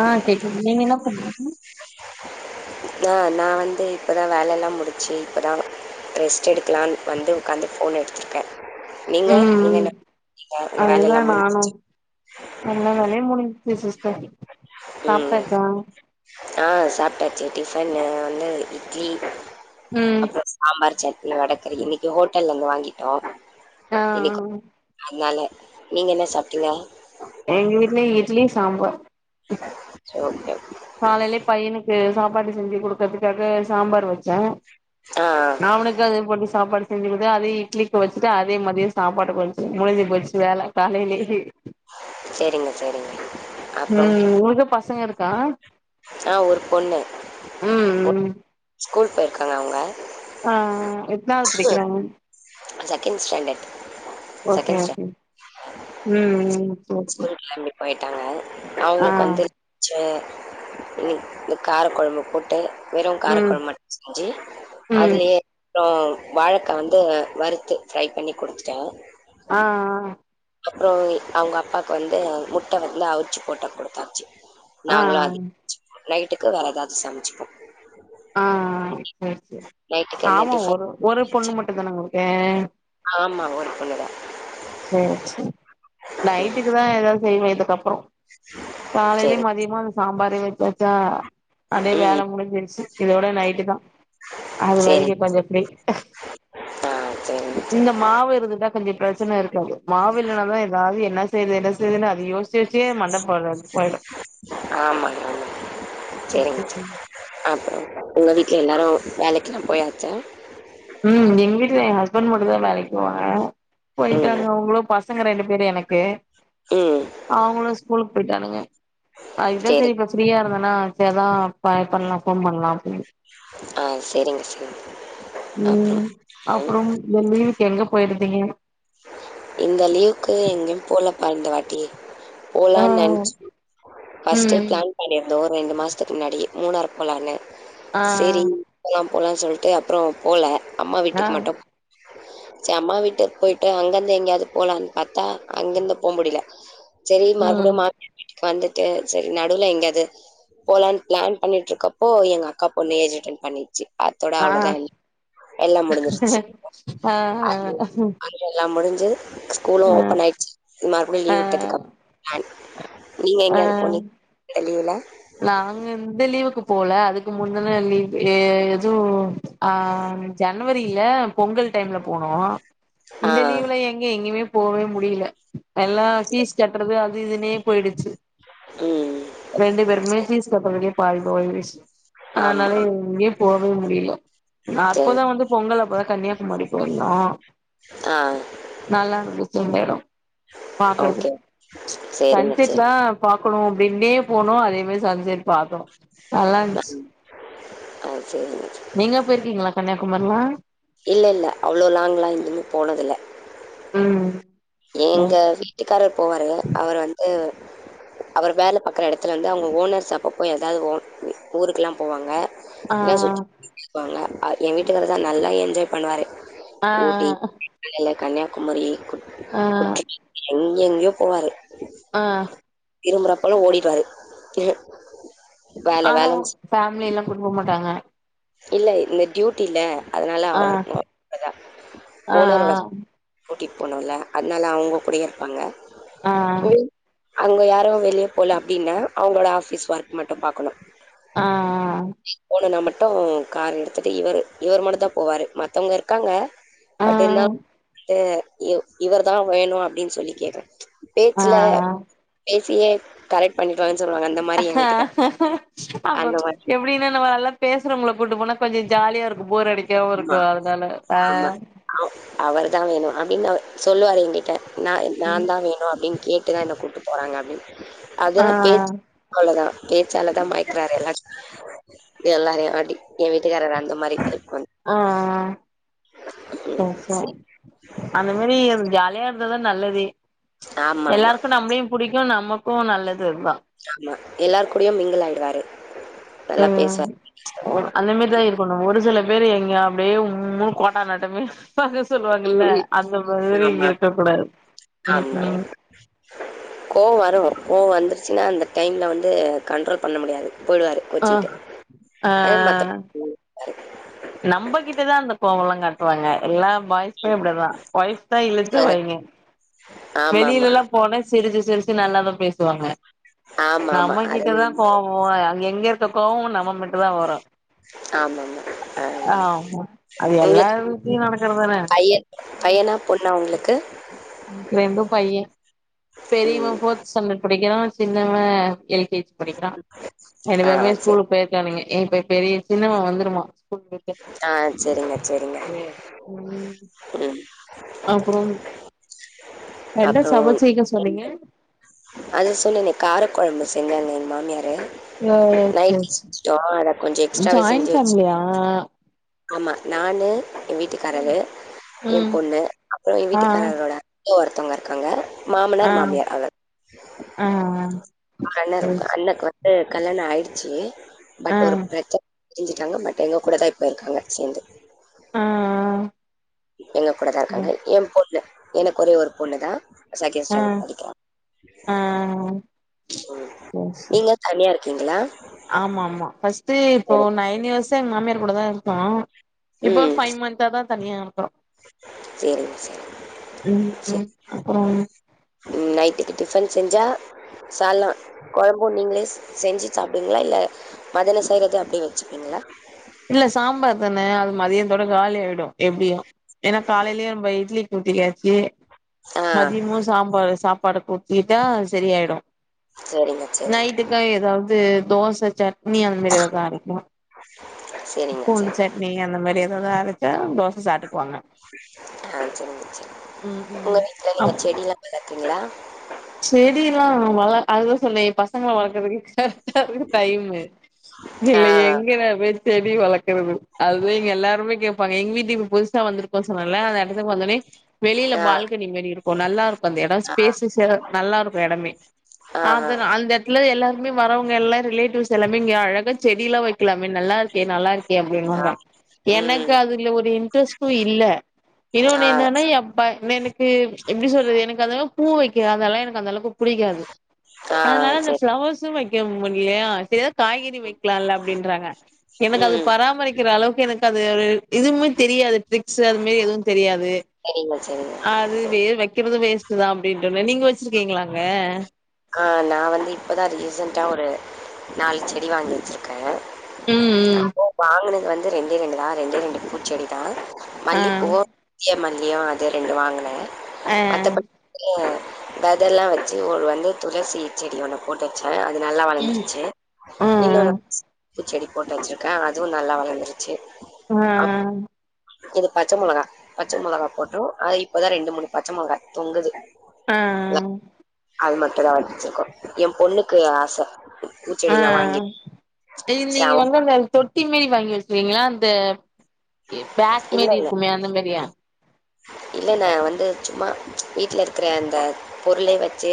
ஆ கேக்குது நீங்க இன்னு [inaudible] நா நா வந்து இப்பதா வேல எல்லா முடிச்சு இப்பதா ரெஸ்ட் எடுக்கலான்னு வந்து உக்காந்து ஃபோன் எடுத்துருக்கே நீங்க நீங்க ம் என்ன றீங்க உங்க வேல அதுதா எல்லா நானு முடிஞ்சுச்சு ச்சு சிஸ்டர் ம் ம் சாப்ட்டாச்சா ஆ சாப்ட்டாச்சு இட்லி பண்ணே நா வந்து இட்லி ம் அப்றோ சாம்பார் சட் இல்ல வட கறி இன்னக்கி ஹோட்டல்ல இருந்து வாங்கிட்டோ ஆ ஆ இன்னிக்கு அதனால நீங்க என்ன சாப்ட்டீங்கோ எங்க வீட்ல இட்லி சாம்பார் சேரி ஓகே காலைலயே பையனுக்கு சாப்பாடு செஞ்சு குடுக்கறதுக்காக சாம்பார் வச்சே ஆ ஆ, நா அவனுக்கு அது போட்டு சாப்பாடு செஞ்சு குடுத்து அதயே இட்லிக்கு வச்சிட்டு அதயே மதியோ சாப்பாட்டுக்கு வச்சுட்டே முடிஞ்சு போச்சு வேல காலைலயே சேரிங்க சேரிங்க ம் ம் உங்களுக்கு பசங்க இருக்கா? ஆ ஒரு பொண்ணு ம் ம் க்காங்க அவங்க ஆ எத்னாவது படி க்கிறாங்க second standard okay second okay ம் ம் சேரி சேரி ஸ்கூலுக்கு கெளம்பி போய்ட் தா ஆ அவுங்களுக்கு வந்து வச்ச இன்னிக் இந்த காரக்கொழம்பு போட்டு வெறு காரக் ம் கொழம்பு மட்டு செஞ்சு ம் அதுலயே அப்றோ வாழக்கா வந்து வறுத்து ஃப்ரை பண்ணி குடுத்துட்டே ஆ‌‌ ஆ அப்றோ அவுங்க அப்பாக்கு வந்து முட்ட வந்து அவுச்சு போட்டு குடுத்தாச்சு ஆ நாங்களு அது நைட்டுக்கு வேறு எதாது சமச்சிப்போ ஆ செர் செர் நைட்டுக்கு என்ன ஆமா டிஃபன்? ஒரு ஒரு பொண்ணு மட்டுந்தானங்க ஒ க்கே ஆமா ஒரு பொண்ணுதா சேர் சே ம் நைட்டுக்குதா எதா செய்னு இதுக்கப் றொ காலைலயு சேரி. மதியமு அந்த சாம்பாரே வச்சாச்சா அப்டியே ம் வேல முடுஞ்சிருச்சு இதோட நைட்டு தா அது வரைக்கு சேரிங். கொஞ்சொ ஃப்ரீ ஆ சேரிங்க சேரி. இந்த மாவு இருந்துட்டா கொஞ்ச பிரச்சன இரு மாவில்லவனா தா எதாது என்ன செய்றது என்ன செய்றதுன் அத யோ ஆமாங்க ஆமாங்க செரிங்க ம் செரிங்க அப்றொ உங்க வீ ட்ல எல்லாரு வேலைக்கெல்லா போயாச்சா ம் எங் வீட்ல எ ஹஸ்பண்ட் மட்டு தா வேலைக்கு போவாங்க. ம் போயிட்டாங்க அவுங்களு ப சங்க ரெண்டு பேர் எனக்கு ம் அவுங்களு ஸ்கூலுக் போயி ட்டானுங்க அதுக்குதா சரி. செரி இப்ப ஃப்ரீயா இருந்த னா ச அதா பா பண்லா ஃபோன் பண்லா அப்டின் ஆ செரிங்க செரிங்க. ம் அப்றம் இந்த லீவ் க்கு எங்க போயிருந்தீங்க? இந்த லீவுக்கு எங்யும் போல மா இந்த வாட்டி ஆ போலான் நென்ச்சு பஸ்டே ம் பிளான் பண்ணிரு. தோ ஒரு ரெண்டு மாசத்துக்கு முன்னாடி மூணரு போலான்னே. ஆ சேரிங்கலாம். போலான் சொல்ட்டு அப்புறோ போல. அம்மா ஆ வீட்டுக்குமட்டு செ அம்மா வீட்டுக்கு போயிட்டு அங்கந்து எங்யாது போலான் பாத்தா அங்கந்து போ முடில செரி ம் மறுப்டியு [inaudible] வந்துட்டு சரி நடுவ்ல எங்யாது போலான் ப்ளான் பண்ணிட்ருக்கப்போ எங்க அக்கா பொண்ணு ஏஜ் அட்டன் பண்ணி சி அத்தோட ஆ அவ்ளோதா எல்லா முடிஞ்சிருச்சி ஆ ஆ த முடிஞ்சது ஸ்கூலு ஓபன் ஆயிச்சி மா வுடே ஆ லீவ்வுட்டதுக்குப் பேன் நீங்க ஆ எங்கயது போனீங்க லீவ்ல நாங்க இந்த லீவுக்கு போல அதுக்கு முன்தான லீவ் எதுவு அ ஜனவரியில பொங்கல் டைம்லபோனோ ஆ இந்த லீவுல எங்க எங்கியுமே போவே முடியல எல்லா பீஸ் கட்டுறது அ து இதுனே போயிடுச்சி ம் [unintelligible] பாய் போய்ட்ஸ் அனால ஆமா. எங்கேயே போவே முடியல சரி. அப்பதா வந்து பொங்கல அப்பதா கன்னியாகுமரி போயிருந்தோ ஆ நல்லா இருந்துச்சி அந்த இடம் ஓகே. பாக்குறதுக் சரிங்க சரி. சன்செட்லா பாக் க்கணு அப்பிடின்னே போனு அதே பே சன்செட் பாக்கணு நல்லான்ச்சி ம். ஆ சரிங்க. நீங்க போயிருக்கீங்களா கன்னியா குமர்லா இல்ல இல்ல அவ்ளோ லாங் எங்கியு போனதுல ம் எங்க வீட்டுக்காரர் போவாரு அவர் வந்து அவர் வேல பாக்குற இடத்துல வந்து அவங்க ஓனர்ஸ் அப்போப்போ எதாவது ஓ ஊருக்கெல்லா போவாங்க ஆ எல்லா சுத்திப்பாங்க ஆ என் வீட்டுக்கார்தா நல்லா என் என்ஜாய் பண்ணுவாரு ஆ ஆ இல்ல கன்னியாகுமரி கூட் ஆ [unintelligible] எங்கெங்யோ போவாரு ஆ இரும்புறப்போல ஓடிட்வாரு ஆனா ஃபேமிலிலா கூட்டு போ மாட்டாங்க இல்ல இந்த டியூட்டில அதனால ஆ அவரு போ னதா ஆ ஓனரோட கூட்டிட் போனுல அதனால அவுங்க கூடயே இருப்பாங்க ஆ ஆ அவுங்க யாரோ வெளிய போல அப்டினா அவுங்ளோட ஆபீஸ் ஒர்க் மட்டும் பாக்கணும் ஆ [unintelligible] போன நமன் டோ கார் எடுத்துட்டு இவரு இவரு மட்டும் தா போவாரு மத்தவங்க இருக்காங்க ஆ பட் எல்லா வந்து இவ் இவர் தா வேணும் அப்டின் சொல்லி கேக்றாங்க ஆ பேச்ல பே சி ஏ கரெக்ட் பண்ணிட்வானு அப்ப அந்த மாரி எப்டினா நம்ம நல்லா பேசு புறவங்கள கூட்டு போனா கொஞ்சோ ஜாலியாருக்கும் ம்மா ஆமா அவ் அவரு தா வேணும் அப்டின்னு அவரு சொல்லுவாரீங் பேய்டாரு நா நா தா வேணும் அப்டின் கேட்டு தா என்ன கூட்டு போறாங்க அப்டின் ஆ அதுதா பேச் அவ்ளோ தா பேச்சால தா மயக்றாரு எல்லாச் எல்லா வே வாட்டி எ வீட்டுக்காரர் அந்த மாரி டைப் வந் ஆ ம். ஆ ஆ சரி. அந்த மாரி அந்த வியாள் வேம்பு தா நல்லதே ஆமாமா, எல்லாருக்கும் நம்பிளியும் புடிக் இன்னு நமக்கும் நல்லது அதுதா எல்லார் கூடையும் மிங்கிலாய்டுவாரு ம் உட் அந்த மேரிதா இருக்கணும் ஒரு சில பேரு எங்யாம் அப்டியே உம்முனு கோட்டானாட்டுமே ம் ஹ்ம் ஆமா இருக்க கூடாது ஆ ம் ம் கோவோ வரு கோவம் வந்துரு ஆச்சுனா அந்த டைம்ல வந்து கண்ட்ரோல் பண்ண முடியாது போயிடுவாரு ஆ கோச்சுக்கிட்டு. ஆ அது மத்த நம்மகிட்டதா அந்த கோவல்லா காட்டுவாங்க எல்லா பாய்ஸ்மே இப்படிதா பாய்ஸ் தா இலிச்ச அ வாய்ங்க ஆமாமா. வெளியில எல்லா போனா சிறிது சிரிச்சு நல்லாதா பேசுவாங்க ஆமாமா. நம்ம அது கிட்டதா உண்மதா. கோவோ அங்க எங்க இருக் கோவமும் நம்ம மட்டு தா வரு ஆமாமா ஆ ஆமா அது எல்லார் உங்களுக்கு வீட்லயு நடக்கறதான பையன் பையனா பொண்ணா உங்களுக்கு ஹ ரெண்டு பையன் பெரியவ ம். ஃபோர்த் ஸ்டாண்டர்ட் படிக்கிறா சின்னவ எல் கே ஜி படிக்கிறா ரெண்டு ஆ பேருமே சரி. ஸ்கூலு போயிருக்கானுங்க ஏ இப்ப பெரிய சின்னவ வந்துருவா ஸ்கூல் விட்டு ஆ சரிங்க சரிங்க ம் ம் அப்றோ என்ன அப்புறோ சமச்சீங்க சொன்னீங்க அது சொல்லு நீ காரக் கொழம்பு செஞ்சாங்க என் மாமியாரு அ நைட்டு செஞ்சுட்டோம். அத கொஞ்சம் எக்ஸ்ட்ராவே ஜாயிண்ட் செஞ்சு வச்சு ஃபேமிலியா ஆமா நானு என் வீட்டுக்காரரு என் ம் பொண்ணு அப்புறோ என் ஆ வீட்டுக்காரரோட ஒருத்தவங்க இருக்காங்க ஆ மாமனார் மாமியார் அவ்வ ஆ அண்ண சேரி சேரி அண்ணக்கு வ கல்யாணோ ஆயிடுச்சு பட் ஒரு ஆ பிரச்ச பிரிஞ்சிட்டாங்க பட் எங்க கூட தா இப்பயிருக்காங்க சேர்ந்து ஆ எங்க கூடதா இருக்காங்க எ பொண்ணு எனக்கு ஒரே ஒரு பொண்ணு தா ம் ஆ ஓ சரி ஓகேங்களா கு இப்போ நயன் இயர்ஸ் அத்த மாமியார் கூட தா இருக்கோ இப்ப ஒரு ம். பைவ் மந்த்தா தா தனியா சரிங்க, சரிங்க. ம் சரி. ம் அப்புறோ ம். நைட்டுக்கு டிஃபன் செஞ்சா சால்லா கொழம்பு நீங்களே செஞ்சி சாப்பிடுவீங்களா இல்ல மதியானம் செய்கிறது அப்பிடியே வச்சிப்பீங்களா இல்ல சாம்பார் தான அது மதியானதோட காலி ஆயிடு எப்பிடியு என்னா காலைலியே நம்ப இட்லிக்கு ஊட்டியாச்சி ஆ. மதியமு சாம்பார் சாப் பட கூட்டிட்டா செரியாயிடு சரிங்க, சரிங்க. நைட்க்கா ஏதாவ து தோச சட்னி அந்த மெரி எதாது அரைக்கணு சரிங்க, பூண்டு சரிங்க. சட்னி அந்த மாரி ஏத அரச் க்கா தோச சாப்புட் ஆ சரிங்க சரி ம் உங்க ம் வீட்டுல நீங்க செடி எல்லா வளப்பிங்களா செடியெல்லா வளர் அது சொன்னே பசங்கள வளக்கறதுக்கே டைமு ஆ. இல்ல எங்க ந பேய் செடி வளக்கறது அதுவே இங்க எல்லாருமே கேப்பாங்க எங்க வீட்லியு புதுசா வந்துரு ப்போ சொன்ன இல்ல அந்த இடத்துக்கு வந்தனே வெளியில ஆ பால்கனி மெரி இருக்கு இப்போ நல்லா இருக் ப்ப அந்த இடோ பேசஸ்ஸியா நல்லா இருக்கு இடமே ஆஹா அது அந்த இடத்துல எல்லா வரவுங்க எல்லா ரிலேட்டிவ்ஸ் எல்லாமே இங்க அழக செடியிலா வைக் இக்கலமே நல்லா இருக்கே நல்லா இருக்கே ஆ அப்பிடினுவாங்க எனக்கு ம். அதுல ஒரு இன்ட்ரெஸ்ட்டு இல்ல ஆ இன்னொன்னு எப்பனேனக்கு எப்பிடி சொல்றது எனக்கு அத பூ வைக்க அதெல்லா எனக்கு அந்த அளவுக்கு புடிக்காது ஆ அதனால அந்த சரி. பிளவர்ஸ்ம் வை க்க முடிலியா சே காய்கறி வைக்கலால்ல அப்பிடின்றாங்க எனக்கு அது ம். பராமரிக்கிற அளவுக்கு எனக்கு க்க அது ஒரு இதுவுமே தெரியா திக்சு அதுமே எதுவு தெரியாது சரிங்க, சரிங்க. அது வே வக்கிறது வேஸ் ட்டுதா அப்டின்டு ஆ நா வந்து இப்பதா ரீசண்ட்டா ஒரு நாலு செடி வாங்கி வச்சுருக்கே ம் ம் அது வாங்குனது வந் து ரெண்டே ரெண்டு தா ரெண்டே ரெண்டு பூச்செடி தா மல்லிப் ஆஹ் பூவு [unintelligible] க்குமல்லியு அது ரெண்டு வாங்குனே ஆ மத்தப [inaudible] வெதலா வச்சு ஒரு வந்து துளசி செடி ஒன்னு போட்டு வச்சே அ து நல்லா ம் வளந்துருச்சு ம் இன்னொனு து செடி போட்டு வச்சுருக்கே அதுவு நல்லா வளந்துருச்சு ஆ ஆ இது பச்ச மொளகா பச்ச மொளகா போட்டோ அது இப்பதா ரெண்டு மூணு பச்ச மொளகா தொங்குது ஆ அது மட்டு தா வச்சுருக்கோ எ பொண்ணுக்கு ஆச ஆ பூச்செடிலா வாங்கி இது ச நீங்க அவ வந்தந்த தொட் டி மாரி வாங்கி வச்சுறீங்ளா அந்த பேக் மாரி இருக்குமே அந்த மாரியா இல்லல வந்து சும்மா வீட்ல இருக்குற அந்த பொருளே வச்சு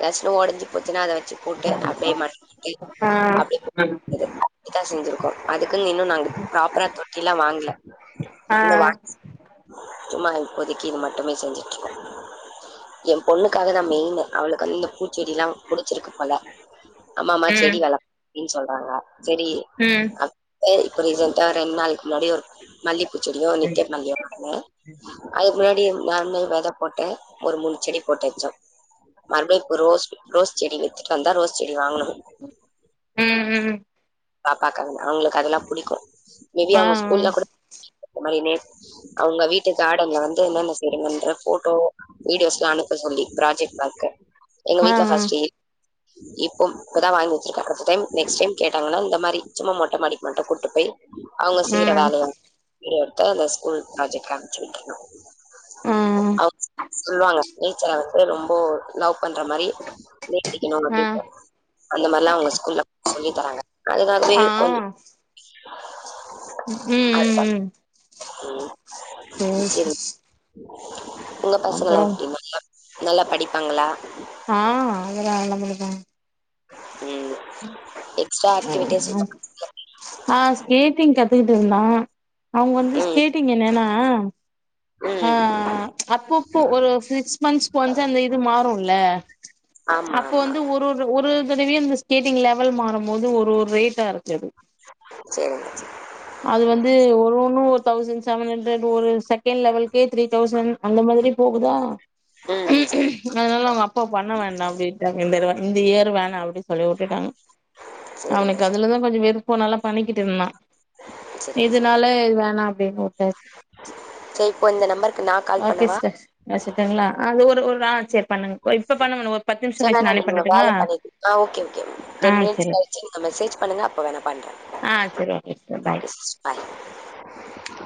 எதாச்சினு ஒடஞ்சி போச்சினா அத வ ச்சு போட்டு அப்டியே மண் கொட்டி ஆ அப்டியே [inaudible] அப்டித்தா செஞ்சிருக்கோ அதுக்குன் இன்னு நாங்க ப்ராப்பரா தொட்டில்லா வாங்ல ஆ இன்னு வா சும்மா இப்போதக்கி இது மட்டுமே செஞ்சுட்ருக்கோ எ பொண்ணுக்காக தா மெயினு அவளுக்கு வந்து இந்த பூச்செடில்லா புடுச்சிருக்கு போல அம்மா அம்மா ம் செடி வள அப்டின் சொல்றாங்க செரி ம் அது மே இப்ப ரீசன்ட்டா ரெண் நாளைக்கி முன்னாடி ஒரு மல்லி ப்பூசெடியோ நிக்கர் மல்லியு வாங்குனே ம் அதுக்கு முன்னாடி நானுமே வெத போட்டே ஒரு மூணு செடி போட்டு வச்சோ மறுப்டியு இப்ப ரோஸ் ரோஸ் செடி வித்துட்டு வந்தா ரோஸ் செடி வாங்கனு ம் ம் பாப்பாக்காக அவுங்களுக்கு அதெல்லா புடிக்கு மேபி ஆ அவுங்க ஸ்கூல்ல கூட இந்த மாரி நே அவுங்க வீட்டு கார்டன்ல வந்து என்னென்ன செய்றாங்கன்ற ஃபோட்டோ வீடியோஸ்லா அனுப்ப சொல்லி ப்ராஜெக்ட் ஒர்க்கு எங்க ஆ வீட்ல ஃபஸ்ட்டு இப்போ இப்பதா வாங்கி வச்சிருக்கன் ஃபஸ்ட் டைம் நெக்ஸ்ட் டைம் [unintelligible] நாங்களா இந்த மாரி சும்மா மொட்ட மாடிக்கு மட்டு கூட்டு போய் அவங்க ம் செய்ற ம் வேலைய [unintelligible] இப்பதா இந்த ஸ்கூல் ப்ராஜெக்ட்க்கு அனுப்பிச்சி விட்டுருந்தோ ஆ அவங்க சொல்லுவாங்க நீ ச ரொம்போ லவ் பண்ற மாரி நீட்டிகனு அந்த மாரிலா அவங்க ஸ்கூல்ல சொல்லி தராங்க அதுக்காகவே ஆ கொஞ்ச [inaudible] ம் ம் ம் ம், செர் சரி [inaudible] உங்க பசங்க எல்லா எப்டி [unintelligible] நல்லா படிப்பாங்களா ஆ அதல்லா நல்ல படிப்பாங்க ம் எக்ஸ்ட்ரா ஆக்டிவிட்டிஸ் ஆ ஸ்கேட்டிங் கத்துட் டு நா அவங்க வந்து ம் ஸ்கேட்டிங் என்னன்னா ம் ஆஹ் அப்பப்போ ஒரு சிக்ஸ் மன்த்ஸ் ஒன்ஸ் அந்த இது மாறும்ல ஆமா அப்போ ஆமா வந்து ஒரு ஒரு ஒரு இந்த ரிவீல்ரிஸ் ஸ்கேட்டிங் லெவல் மாறும்போது ஒரு ஒரு ரேட்டா இருக்குது சரிங்க அது வந்து ஒரு ஒன்னு ஒர் தௌசண்ட் செவன்ஹண்டர் ஒரு செக்தோ செகன்ட் லெவல்கே த்ரீ தௌசண்ட் அந்த மாரி போகுதா ம் சரி அதனால அவங்க அப்பா பண்ண வேண்டா அப்டிட்டாங் இந்த இயர் வேணா அப் வுட்டுட்டாங்க சரிங்க அவனுக்கு சார் அதுலா கொஞ்ச விருப்ப னால பண்ணிக்கிட்டு இருந்தா சரிங்க இதுனால வேணா அப்டினு சரி இப்போ இந்த நம்பருக்கு நா கால் ஓகே பண்ணவா சிஸ்டர் பேசிட்டங்ளா அது ஒரு ஒரு வேண் சரி பண்ணுங்க இப்ப பண்ணுங்க ஒரு பத்து நிமிஷ சரி கழிச்சு வேணா நானே நீங்க பண்ணட்டுங்களா வேல பண்ணிட்டு ஆ ஓகே ஓகே ஆ டென் மினிட்ஸ் சரி கழிச்சு மெசேஜ் பண்ணுங்க அப்போ வேணா பண்றே ஆ சரி okay sister bye okay sister பாய்